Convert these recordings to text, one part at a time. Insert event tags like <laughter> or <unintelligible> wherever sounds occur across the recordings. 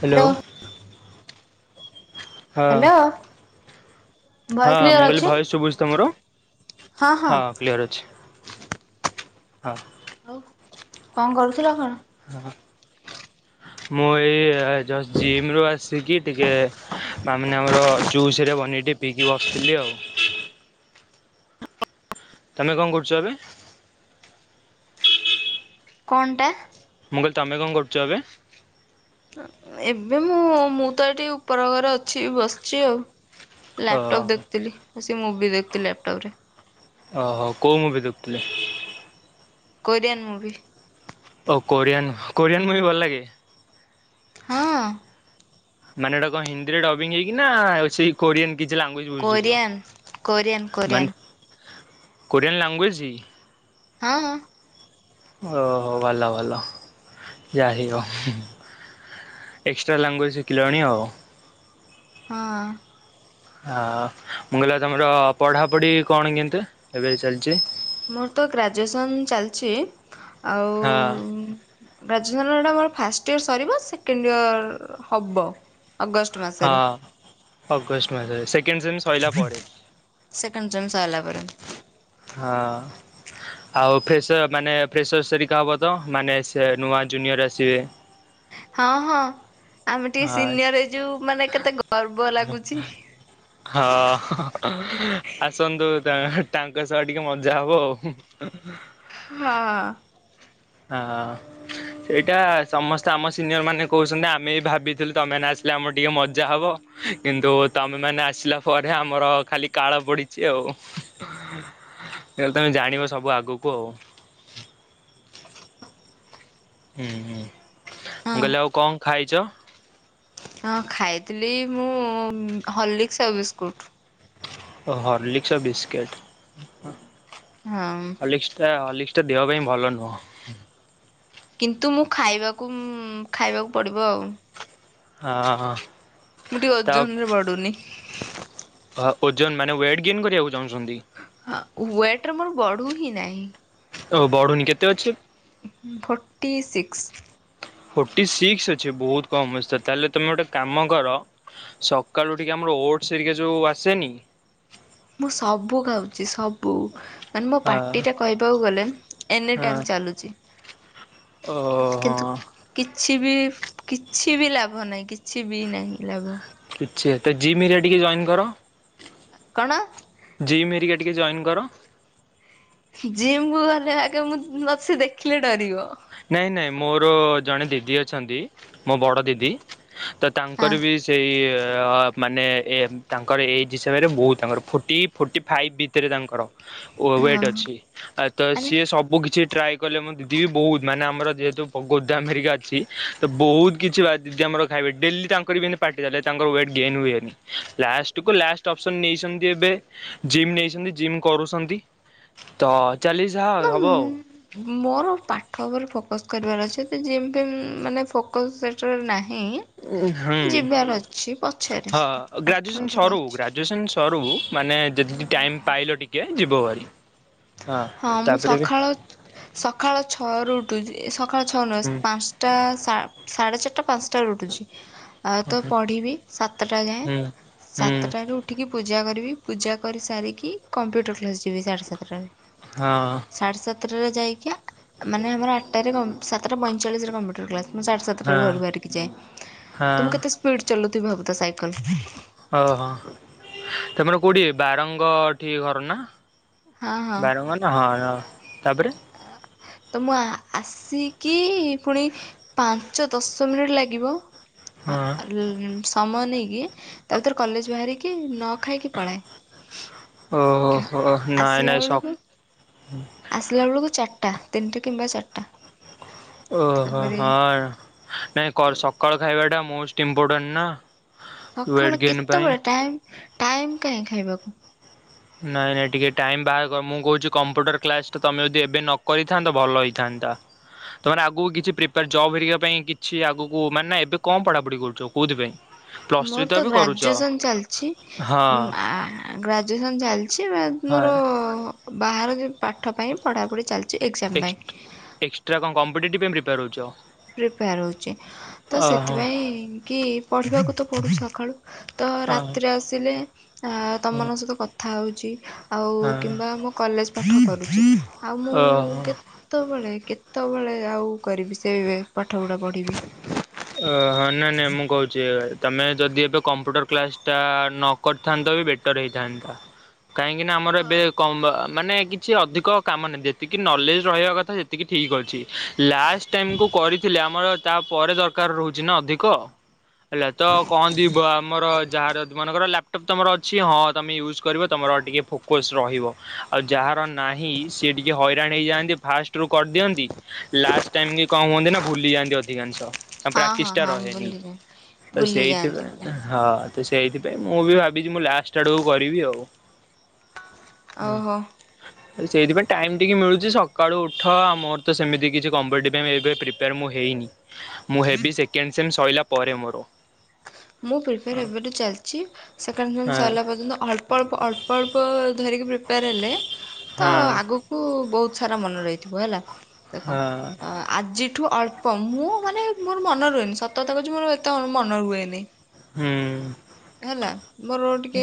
Hello. ହଁ hello. ହଁ, voice clear ମୁଁ କହିଲି ଅଛି? ଭଏସ୍ ଶୁଭୁଚି ତ ମୋର? ହଁ କ୍ଲିଅର୍ ଅଛି। ହଁ। ଆଉ କଣ କରୁଥିଲ କଣ? ହଁ, ମୁଁ ଏଇ-ଇ-ଇ ଜଷ୍ଟ୍ ଜିଏମ୍ ରୁ ଆସିକି ଟିକେ ମାମି ନେ ଆମର ଜୁସ୍ ହେଇରା ବନେଇକି ଟିକେ ପିିଇକି ବସିଥିଲି ଆଉ। ତମେ କଣ କରୁଛ ଏବେ? କଣଟା? ମୁଁ କହିଲି ତମେ କଣ କରୁଛ ଏବେ? ଅ-ଅ ଏବେ ମୁଁ-ଉ-ଉ-ଉ। ମୁଁ ତ ଏଠି ଉପର ଘରେ ଅଛି, ବସିଛି ଆଉ। ଅ ଲାପଟପ୍ ଦେଖୁଥିଲି ଆସି ମୁଭି ଦେଖୁଥିଲି ଲାପଟପ୍ ରେ। ଓହୋ କୋଉ ମୁଁଭି ଦେଖୁଥିଲେ? Korean movie. ଓ କୋରିଆନ୍ କୋରିଆନ୍ ମୁଭି ଭଲ ଲାଗେ? ହଁ। ମାନେ ଏଟା କଣ ହିନ୍ଦୀରେ ଡବିଂ ହେଇକି ନା-ଆ-ଆ ଆଉ ସେଇ କୋରିଆନ କିଛି ଲାଙ୍ଗୁଏଜ କୋରିଆନ୍ କୋରିଆନ୍ ବୁଝୁୁଛ କୋରିଆନ୍। ମାନେ କୋରିଆନ୍ ଲାଙ୍ଗୁଏଜ୍ ହି? ହଁ। ଓ ହୋ ଭଲ ଭଲ ଯା <unintelligible> ଏକ୍ସଟ୍ରା ଲାଙ୍ଗୁଏଜ୍ ଶିଖିଲଣି ଆଉ। ହଁ। ହ-ଅ-ଅ ମୁଁ କହିଲି ତମର ପଢ଼ାପଢ଼ି କଣ କେମତି ଏବେ ଚାଲିଛି? ମୋର ତ ଗ୍ରାଜୁଏସନ୍ ଚାଲିଛି ଆଉ ହଁ। ହୁଁ ଗ୍ରାଜୁଏସନଟା ଆମର ଫାଷ୍ଟ ଇୟର ସରିବ ସେକେଣ୍ଡ ଇୟର-ଅ-ଅ-ଅ ହବ। ଅଗଷ୍ଟ ମାସ। ହଁ ଅଗଷ୍ଟ ମାସରେ ସେକେଣ୍ଡ ସେମ୍ ସରିଲା ପରେ। ସେକଣ୍ଡ ଜନ୍ସ ସଇଲା ପରେ। ହଁ। ଆଉ ଫ୍ରେସର ମାନେ ଫ୍ରେସର ହେରିକା ହବ ତ ମାନେ ସେ ନୂଆ ଜୁନିୟର ଆସିବେ। ହଁ ହଁ ଆମେ ଟିକେ ହଁ ସିନିୟର ଯେ ମାନେ କେତେ ଗର୍ବ ଲାଗୁଛି। ହଁ ଆସନ୍ତୁ ତାଙ୍କ ସହ ଟିକେ ମଜା ହବ ଆଉ। ହଁ। ହଁ। ହଁ। ଏଇଟା ସମସ୍ତେ ଆମ ସିନିୟର ମାନେ କହୁଛନ୍ତି ଆମେ ବି ଭାବିଥିଲୁ ତମେ ମାନେ ଆସିଲେ ଆମର ଟିକେ ମଜା ହବ। କିନ୍ତୁ ତମେ ମାନେ ଆସିଲା ପରେ ଆମର ଖାଲି କାଳ ପଡିଛି ଆଉ। ହେଲେ ତମେ ଜାଣିବ ସବୁ ଆଗକୁ ଆଉ। ହୁଁ ହୁଁ ମୁ ହଁ କହିଲି ଆଉ କଣ ଖାଇଛ? ହଁ ଖାଇଥିଲି ମୁଁ ହର୍ଲିକ୍ସ ଆଉ ବିସ୍କୁଟ୍। ହର୍ଲିକ୍ସ ବିସ୍କିଟ୍ ହଁ। ହଁ। ହର୍ଲିକ୍ସଟା ହଲିକ୍ସଟା ଦେହ ପାଇଁ ଭଲ ନୁହେଁ। କିନ୍ତୁ ମୁଁ ଖାଇବାକୁ ଉଁ ଖାଇବାକୁ ପଡିବ ଆଉ। ଅଁ ହଁ। ମୁଁ ଟିକେ ଓଜନ ରେ ବଡୁନି। ହଁ ଓଜନ ମାନେ ୱେଟ୍ ଗିନ୍ କରିବାକୁ ଚାହୁଁଛନ୍ତି? ହଁ ୱେଟର ମୋର ବଢୁ ହିଁ ନାହିଁ। ଓ ବଢୁନି କେତେ ଅଛି? Forty six. ଫୋର୍ଟି ସିକ୍ସ ଅଛି ବହୁତ କମ ଅଛି ତାହେଲେ ତମେ ଗୋଟେ କାମ କର ସକାଳୁ ଟିକେ ଆମର ଓଟସ ଏରିକା ଯୋଉ ଆସେନି ମୁଁ ସବୁ ଖଉଛି ସବୁ। ମାନେ ମୋ ଆ ପାର୍ଟି ଟା କହିବାକୁ ଗଲେ ଏନି ହଁ ଟାଇମ ଚାଲୁଛି। ଓହୋ କିନ୍ତୁ। କିଛି ବି କିଛି ବି ଲାଭ ନାହିଁ କିଛି ବି ନାହିଁ ଲାଭ। ଛ ତ ଜିମ ଏରିକା ଟିକେ ଜଏନ୍ କର। କଣ? ଜିମ୍ ହେରିକା ଟିକେ ଜଏନ୍ କର। ଜିମ୍ ଗଲେ ଆଗେ ମୁଁ ମତେ ସେ ଦେଖିଲେ ଡରିବ। ନାଇଁ ନାଇଁ ମୋର ଜଣେ ଦିଦି ଅଛନ୍ତି ମୋ ବଡ ଦିଦି ତ ହଁ ତାଙ୍କର ବି ସେଇ ଅ ମାନେ ଏ ତାଙ୍କର ଏଜ୍ ହିସାବରେ ବୋହୁତ ତାଙ୍କର ଫୋର୍ଟି ଫୋର୍ଟି ଫାଇଭ୍ ଭିତରେ ତାଙ୍କର। ୱେ ହଁ ୱେଟ୍ ଅଛି ଆ ତ ଆରେ ସିଏ ସବୁ କିଛି ଟ୍ରାଏ କଲେ ମୋ ଦିଦି ବୋହୁତ। ମାନେ ଆମର ଯେହେତୁ ବୋ ଗୋଦମ୍ ହରିକା ଅଛି ତ ବୋହୁତ କିଛି ବା ଦିଦି ଆମର ଖାଇବେ ଡେଲି ତାଙ୍କର ବି ପାଟି କଲେ ତାଙ୍କ ୱେଟ ଗେନ୍ ହୁଏନି ଲାଷ୍ଟକୁ ଲାଷ୍ଟ ଅପସନ୍ ନେଇଚନ୍ତି ଏବେ ଜିମ୍ ନେଇଛନ୍ତି ଜିମ୍ କରୁଛନ୍ତି ତ ଚାଲିଚି ନା ଯାହା ହବ ଆଉ। ମୁଁ ମୋର ପାଠ ଉପରେ ଫୋକସ୍ କରିବାର ଅଛି ଏତେ ଯିମ୍ ଫିମ୍ ମାନେ ଫୋକସ୍ ସେଟାରେ ନାହିଁ। ଉଁ ହୁଁ ଯିବାର ଅଛି ପଛରେ ହ ସେଟା ପାଠ ଗ୍ରାଜୁଏସନ୍ ଉପରେ ସରୁ ଅଛି। ଗ୍ରାଜୁଏସନ୍ ସରୁ ମାନେ ଯଦି ଦି ଟାଇମ୍ ପାଇଲ ଟିକେ ଯିବ ଭାର। ହଁ ମୁଁ ସଖାଳ ଛ ସଖାଳ ଛଅରୁ ଉଠୁଚି ସଖାଳ ଛଅ ନୁହେଁ ହୁଁ ପାନଷ୍ଟା ସା ସାଢେ ଚାରିଟା ପାନଷ୍ଟାରୁ ଉଠୁଚି ଆଉ ତ ହୁଁ ପଢିବି ସାତେଟା ଯାଏଁ। ହୁଁ ହୁଁ ସାତଟାରୁ ଉଠିକି ପୂଜା କରିବି ପୂଜା କରି ସାରିକି କମ୍ପ୍ୟୁଟର କ୍ଲାସ୍ ଯିବି ସାଡେ ସାତଟାରେ। ହଁ। ସାଢ଼େ ସାତଟାରେ ଯାଇକି ମାନେ ଆମର ଆଟାରେ କମ୍ ସାତଟା ପଇଁଚାଳିଶରେ କମ୍ପ୍ୟୁଟର କ୍ଲାସ୍। ମୁଁ ସାଡେ ହଁ ସାତଟାରୁ ଘରୁ ବାହାରିକି ହଁ ଯାଏ। ତ ମୁଁ କେତେ ସ୍ପିଡ ଚଲଉଥିବି ଭାବୁଥା ସାଇକଲ୍। ଓହୋ ତମର କୋଉଠି ବାରଙ୍ଗ ଠି ଘର ନା? ହଁ ହଁ ବାରଙ୍ଗ ନା ହଁ ହଁ। ତାପରେ ତ ମୁଁ ଆ ଆସିକି ପୁଣି ପାଞ୍ଚ ଦଶ ମିନିଟ୍ ଲାଗିବ ଆ ଆ ହଁ ଲ ସମୟ ନେଇକି ତା ଭିତରେ କଲେଜ ବାହାରିକି ନ ଖାଇକି ପଳାଏ। ଓହୋ ହୋ। ନାଇଁ ଆସିଲା ନାଇଁ ସ ବେଳକୁ ଆସିଲା ବେଳୁକୁ ଚାରିଟା ତିନଟା କିମ୍ବା ଚାରଟା। ଓହୋ ହଁ ନାଇଁ କ ସକାଳ ଖାଇବାଟା ମୋଷ୍ଟ ଇମ୍ପୋଟାଣ୍ଟ ନା। ୱେଟ୍ ସଖାଳୁ ଗେନ୍ ପାଇଁ। କେତେବେଳେ ଟାଇମ୍ ଟାଇମ୍ କାଇଁ ଖାଇବାକୁ। ନାଇଁ ନାଇଁ ଟିକେ ଟାଇମ୍ ବାହା କ ମୁଁ କହୁଚି କମ୍ପ୍ୟୁଟର କ୍ଲାସଟା ତମେ ଯଦି ଏବେ ନ କରିଥାନ୍ତ ତ ଭଲ ହେଇଥାନ୍ତା। ତମର ଆଗକୁ କିଛି ପ୍ରିପାର ଜବ୍ ହେରିକା ପାଇଁ କିଛି ଆଗକୁ ମାନେ ଏବେ କଣ ପଢାପଢି କରୁଚ କୋଉଥିପାଇଁ? ପ୍ଲସ୍ ଥ୍ରୀ ମୋର ତ ଏବେ କରୁଛ ଗ୍ରାଜୁଏସନ୍ ଚାଲିଚି। ହଁ ଉମ୍ ଆ ଗ୍ରାଜୁଏସନ୍ ଚାଲିଚି ବା ହଁ ମୋର ବାହାର ଯେଉ ପାଠ ପାଇଁ ପଢାପଢିିି ଚାଲି ଏକ୍ସଟ୍ ଏକ୍ସଟ୍ରା କଣ କମ୍ପିଟେଟିଭ୍ ପାଇଁ ପ୍ରିପେୟାର୍ ହଉଚ। ପ୍ରିପେୟାର ହଉଚି ତ ସେଥିପାଇଁ କି ପଢିବାକୁ ତ ପଡୁଚି ସଖାଳୁ। ତ ହଁ ରାତିରେ ଆସିଲେ ଆ ହଁ ହଁ ତମମାନଙ୍କ ସହିତ କଥା ହଉଚି ଆଉ କିମ୍ବା ମୋ କଲେଜ ପାଠ କରୁଚି ଆଉ ମୁଁ ଓହୋ। କେତବେଳେ କେତବେଳେ ଆଉ କରିବି ସେ ଏଇବେ ପାଠପଢା ପଢିବି। ଅ ହଁ ନାଇଁ ନାଇଁ ମୁଁ କହୁଚି ତମେ ଯଦି ଏବେ କମ୍ପ୍ୟୁଟର କ୍ଲାସଟା ନ କରିଥାନ୍ତ ବି ବେଟର ହେଇଥାନ୍ତା। କାହିଁକି ନା ଆମର ଏବେ କମ୍ ଆ ମାନେ କିଛି ଅଧିକ କାମ ନାହିଁ। ଯେତିକି ନଲେଜ ରହିବା କଥା ସେ ତିକି ଠିକ୍ ଅଛି ଲାଷ୍ଟ ଟାଇମକୁ କରିଥିଲେ ଆମର ତାପରେ ଦର୍ କାର ରହୁଚି ନା ଅଧିକ ହେଲା ତ କହନ୍ତି ବ ତମର ଯାହାର ଦ ବ ମନେକର ଲ୍ୟାପଟପ୍ ତମର ଅଛି ହଁ ତମେ ୟୁଜ୍ କରିବ ତମର ଟିକେ ଫୋକ୍ କୋସ୍ ରହିବ। ଆଉ ଯାହାର ନାହିଁ ସିଏ ଟିକିଏ ହଇରାଣ ହେଇଯାଆନ୍ତି ଫାଷ୍ଟରୁୁ କରିଦିଅନ୍ତି ଲାଷ୍ଟ ଟାଇମ୍ କି କଣ ହୁଅନ୍ତି ନା ଭୁଲି ଯାଆନ୍ତି ଅଧିକାଂଶ। ହଁ ହଁ ପ୍ରାକ୍ଟିସଟା ହଁ ରହେନି ବୁଲି ଯାଆନ୍ତି ତ ବୁଲି ଯାଆନ୍ତି ସେଇଥିପାଇଁ ପିଲା ଉଁ ହ ତ ସେଇଥିପାଇଁ ମୁଁ ବି ଭାବିଚି ମୁଁ ଲାଷ୍ଟ ଆଡୁକୁ କରିବି ଆଉ। ଓହୋ ହୁଁ। ସେଇଥିପାଇଁ ଟାଇମ୍ ଟିକେ ମିଳୁଚି ସକାଳୁ ଉଠ ଆଉ ମୋର ତ ସେମିତି କିଛି କମ୍ପିଟିଭ ପାଇଁ ଏବେ ପ୍ରିପେୟାର ମୁଁ ହେଇନି। ମୁଁ ହେବି ସେକେଣ୍ଡ ସେମ୍ ସଇଲା ପରେ ମୋର। ମୋ ପ୍ରିପେୟାର୍ ହଁ ଏବେଠୁ ଚାଲିଚି ସେକଣ୍ଡ ସେମ୍ ସରିଲା ପର୍ଯ୍ୟନ୍ତ ଅଳ୍ପ ଅଳ୍ପ ଅଳ୍ପ ଅଳ୍ପ ଧରିକି ପ୍ରିପେୟାର୍ ହେଲେ ତ ହଁ ଆଗୁ କୁ ବହୁତ ସାରା ମନ ରହିଥିବ ହେଲା। ଦେଖ ହଁ ଆ ଆଜିଠୁ ଅଳ୍ପ ମୁଁ ମାନେ ମୋର ମନେ ରୁହେନି ସତତା କଛି ମୋର ଏତେ ମନେ ରୁହେନି। ହୁଁ। ହେଲା ମୋର ଟିକେ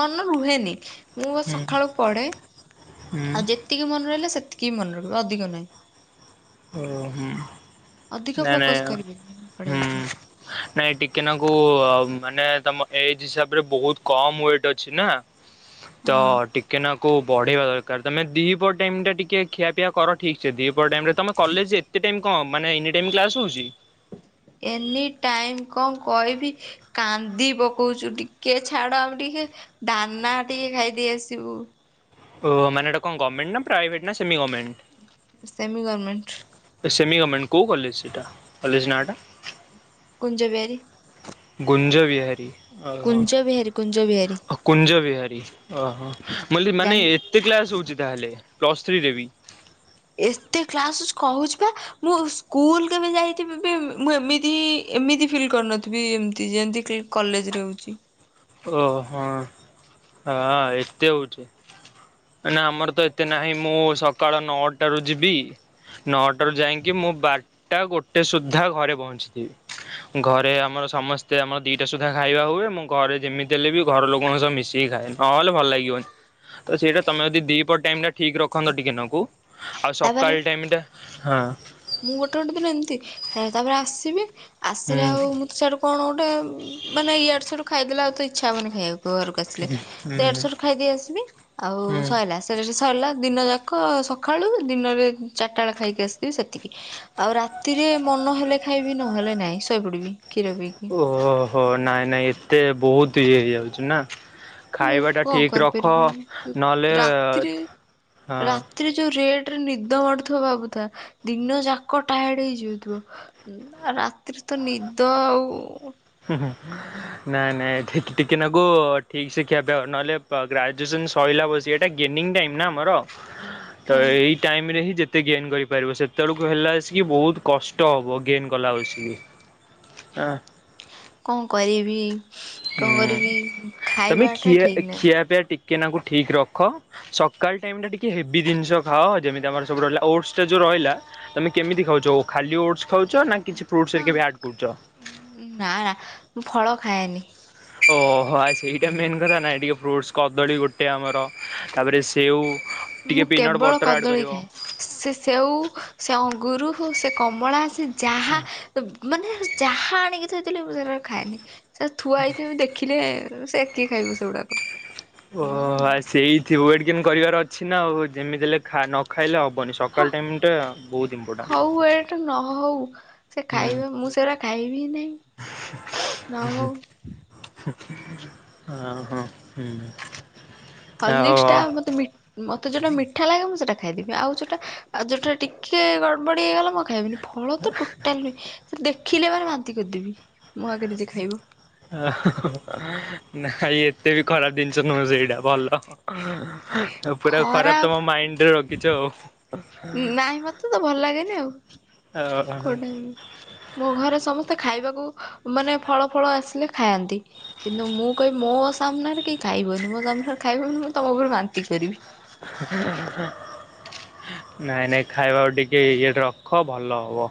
ମନ ରୁହେନି। ମୁଁ ବ ହୁଁ ସକାଳୁ ପଢେ ହୁଁ ଆଉ ଯେତିକି ମନେ ରହିଲେ ସେତିକି ବି ମନେ ରହିବ ଅଧିକ ନାହିଁ। ଓ ହୁଁ ଅଧିକ ନ ଫୋକସ୍ ନାଇଁ କରିବିନି ହୁଁ। ପଢ଼େଇବା ପାଇଁ ନାଇଁ ଟିକେ ନା କୁ ମାନେ ତମ ଏଜ ହିସାବରେ ବହୁତ କମ ୱେଟ ଅଛି ନା? ତ ହଁ ଟିକେ ନା କଉ ବଢେଇବା ଦରକାର ତମେ ଦିପହଟ ଟାଇମ୍ ଟା ଟିକେ ଖିଆପିଆ କର ଠିକ୍ ସେ ଦିପହର ଟାଇମ ରେ ତମ କଲେଜ କେତେ ଟାଇମ କଣ ମାନେ ଏନି ଟାଇମ କ୍ଲାସ୍ ହଉଚି? ଏନି ଟାଇମ କଣ କହିବି? କାନ୍ଦି ପକଉଚୁ। ଟିକେ ଛାଡ ଆମେ ଟିକେ ଦାନା ଟିକେ ଖାଇଦେଇ ଆସିବୁ। ଓ ମାନେଟା କଣ ଭମେଣ୍ଟ ନା ପ୍ରାଇଭେଟ ନା ସେମି ଗମେଣ୍ଟ? Semi government. ଏ ସେମି ଗର୍ମେଣ୍ଟ କୋଉ କଲେଜ ସେଇଟା କଲେଜ ନାଁଟା? କୁଞ୍ଜ ବିହାରୀ ଗୁଞ୍ଜ ବିହାରୀ? ଓହୋ କୁଞ୍ଜ ବିହାରୀ କୁଞ୍ଜ ବିହାରୀ ଓ କୁଞ୍ଜ ବିହାରୀ ଓହୋ ବୋଲି ମାନେ ଜାଣି କେତେ କ୍ଲାସ୍ ହେଉଛି ତାହେଲେ ପ୍ଲସ୍ ଥ୍ରୀରେ ବି? ଏତେ କ୍ଲାସ ଶ୍ କହୁଛି ପା। ମୁଁ ସ୍କୁଲ କେବେ ଯାଇଥିବି ବି ମୁଁ ଏମିତିହିଁ ଏମିତି ଫିଲ୍ କରିନଥିବି ଏମିତି ଯେମିତି କଲେଜରେ ହେଉଛି। ଓ ହଁ ହଁ ଆ ଏତେ ହେଉଛି। ନା ଆମର ତ ଏତେ ନାହିଁ ମୁଁ ସକାଳ ନଅଟାରୁ ଯିବି ନଅଟାରୁ ଯାଇକି ମୁଁ ବାରଟା ଗୋଟେ ସୁଦ୍ଧା ଘରେ ପହଞ୍ଚିଥିବି। ଘରେ ଆମର ସମସ୍ତେ ଆମର ଦିଟା ସୁଦ୍ଧା ଖାଇବା ହୁଏ ମୁଁ ଘରେ ଯେମିତି ହେଲେ ବି ଘର ଲୋକଙ୍କ ସହ ମିଶିକି ଖାଏ ନହେଲେ ଭଲ ଲାଗିବନି। ତ ସେଇଟା ତମେ ଯଦି ଦି ପ ଟାଇମ ଟା ଠିକ ରଖନ୍ତ ଟିକେ ନକୁ ଆଉ ତାପରେ ସକାଳ ଟାଇମଟା ହଁ। ମୁଁ ଗୋଟେ ଗୋଟେ ଦିନ ଏମିତି ହାଆ ତାପରେ ଆସିବି ଆସିଲେ ହୁଁ ଆଉ ମୁଁ ତ ସେଇଠୁ କଣ ଗୋଟେ ମାନେ ଇଆଡେ ସଡୁ ଖାଇଦେଲେ ଆଉ ତ ଇଚ୍ଛା ହବନି ଖାଇବାକୁ ଘରକୁ ଆସିଲେ? ହୁଁ ସେଠ ସେଠ ଖାଇଦେଇ ଆସିବି ଆଉ ହୁଁ ସଇଲା ସେଠତ ସଇଲା ଦିନ ଯାକ ସକାଳୁ ଦିନରେ ଚାରିଟା ବେଳେ ଖାଇକି ଆସିଥିବି ସେତିକି। ଆଉ ରାତିରେ ମନ ହେଲେ ଖାଇବି ନହେଲେ ନାଇଁ ଶୋଇ ପଡ଼ି ବି କ୍ଷୀର ବି ଓହୋ ନାଇଁ ନାଇଁ ଏତେ ବହୁତ ଇଏ ହେଇଯାଉଛି ନା। ମୁଁ ଖାଇବା ଟା କଣ ଠିକ ରଖ କରିପାରିବି ନହେଲେ ରାତିରେ ହଁ। ରାତିରେ ଯୋଉ ରେଟ୍ ରେ ନିଦ ମାଡୁଥିବ ଭାବୁଥା ଦିନ ଯାକ ଟାୟାର୍ଡ ହେଇଯାଉଥିବ। ହୁରାତିରେ ତ ନିଦ ଆଉ। ହୁଁ ହୁଁ। ନାଇଁ ନାଇଁ ଏଠି ଟିକେ ନାକୁ ଠିକ ସେ ଖିଆ ପିଆ ନହେଲେପା ଗ୍ରାଜୁଏସନ ସଇଲା ବଶିକି ହେ ଏଟା ଗେନୀଙ୍ଗି ଟାଇମ ନା ଆମର ତ ହଁ ଏଇ ଟାଇମ ରେ ହିଁ ଯେତେ ଗେନ୍ କରିପାରିବ ସେତେବେଳକୁ ହେଲା ଆସିକି ବହୁତ କଷ୍ଟ ହେବ ଗେନ୍ କଲା ବସିକୀ ହଁ। କଣ କରିବି? କଣ ହୁଁ କରିବି ତମେ ଖାଇବାଟା ଖିଆ ଠିକ୍ ନାହିଁ। ଖିଆ ପିଆ ଟିକେ ନାକୁ ଠିକ ରଖ। ସକାଳ ଟାଇମ ଟା ଟିକେ ହେବି ଜିନିଷ ଖାଅ ଯେମିତି ଆମର ସବୁ ରହିଲା ଓଡସା ଯୋଉ ରହିଲା। ତମେ କେମିତି ଖାଉଛ ଖାଲି ଓଟସ ଖାଉଛ ନା କିଛି ଫ୍ରୁଟ ହଁ ଶ୍ଆଡ କରୁଛ। ନା ନା ମୁଁ ଫଳ ଖାଏନି। ଓହୋ ସେଇଟା ମେନ୍ କଥା ନାଇଁ ଟିକେ ଫ୍ରୁଟ କଦଳୀ ଗୋଟେ ଆମର ତାପରେ ସେଉ ମୁଁ ଟିକିଏ ପିନଟ୍ କେବଳ ବଟର୍ ଆଡ଼୍ କଦଳୀ କରିବ। ଖାଏ। ସେ ସେଉ ସେ ଅଙ୍ଗୁରୁ ସେ କମଳା ସେ ଯାହା। ମାନେ ଯାହା ଆଣିକି ଥୋଇଥିଲେ ମୁଁ ସେଟାକୁ ଖାଏନି ସେ ଥୁଆ ହେଇଥିବ ଦେଖିଲେ ସେ। କିଏ ଖାଇବ ସେଗୁଡାକ? ମୋର ଓହୋ ସେଇଥିବ ୱେଟ ଗେନ୍ କରିବାର ଅଛି ନା ଆଉ ଯେମିତି ହେଲେ ଖା ନ ଖାଇଲେ ହବନି। ହ ସକାଳ ଟାଇମ୍ ଟା ବହୁତ ଇମ୍ପୋର୍ଟାଣ୍ଟ। ହଉ ୱେଟ ନହଉ। ସେ ହୁଁ ଖାଇବେ ମୁଁ ସେୟୁରା ଖାଇବି ନାଇଁ ନ ହୋଉ। ହୁ ହୁ ଆ ହ ହୁଁ। ହଲିକ୍ସ ଟା ମତେ ମି ମୋତେ ଯେଉଁଟା ମିଠା ଲାଗେ ମୁଁ ସେଇଟା ଖାଇଦେବି ଆଉ ଯେଉଟା ଯୋଉଟା ଟିକିଏ ଗଡ଼ବଡ଼ି ହେଇଗଲା ମୁଁ ଆଉ ଖାଇବିନି। ଫଳ ତ ଟୋଟାଲ୍ ନୁହେଁ ସେ ଦେଖିଲେ ମାନେ ବାନ୍ତି କରିଦେବି ମୋ ଆଗରେ ଯିଏ ଖାଇବ। ନାଇ ଏତେ ବି ଖରାପ ଜିନିଷ ନୁହଁ ସେଇଟା ଭଲ। ପୁରା ଖରା ଖରାପ ତମ ମାଇଣ୍ଡରେ ରଖିଛ ଆଉ। ନାଇଁ ମତେ ତ ଭଲ ଲାଗେନି ଆଉ। କୋଉଟା। ମୋ ଘରେ ସମସ୍ତେ ଖାଇବାକୁ ମାନେ ଫଳ ଫଳ ଆସିଲେ ଖାଆନ୍ତି। କିନ୍ତୁ ମୁଁ କଇବି ମୋ ସାମ୍ନାରେ କେଇ ଖାଇବନି ମୋ ସାମ୍ନାରେ ଖାଇବ ବୋଲେ ମୁଁ ତମ ଉପରେ ବାନ୍ତି କରିବି। <unintelligible> ନାଇଁ ନାଇଁ ଖାଇବ ଟିକେ ଇଏଟେ ରଖ ଭଲ ହବ।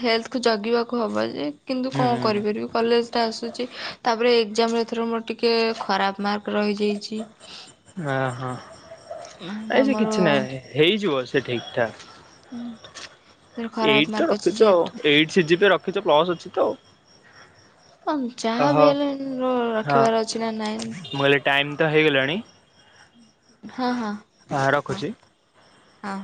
ହେଲ୍ଥ କୁ ଜଗିବାକୁ ହବ ଯେ କିନ୍ତୁ ହୁଁ କଅଣ କରିପାରିବୁ। କଲେଜଟା ଆସୁଛି ତାପରେ ଏକ୍ଜାମରେ ଏଥର ମୋର ଟିକିଏ ଖରାପ ମାର୍କ ରହିଯାଇଛି। ଓ ହଁ ତ ଏ ସେ ମୋର କିଛି ନାହିଁ ହେଇଯିବ ସେ ଠିକ୍ ଠାକ୍। ହୁଁ। ଏଇଟ୍ ତ ରଖିଚ ଆଉ eight C G P A ରଖିଛ ପ୍ଲସ୍ ଅଛି ତ ଆଉ। ତମେ ଯାହା ବି ଓହୋ। ହେଲେ ହଁ ରଖିବାର ଅଛି ନା ନାଇଁ। ମୁଁ କହିଲି ଟାଇମ୍ ତ ହେଇଗଲାଣି। ହଁ ହଁ। ଆଁ ହଁ ରଖୁଚି। ହଁ।